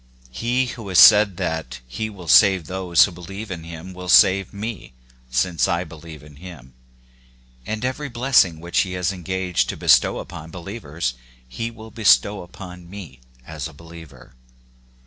He who has said th>^^ he will save those who believe in him will save n^^\^ since I believe in him ; and every blessing whic::^ ^ he has engaged to bestow upon believers he wi'i "^ bestow upon me as a believer.